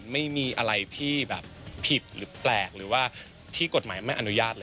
ไม่มีอะไรที่แบบผิดหรือแปลกหรือว่าที่กฎหมายไม่อนุญาตเลย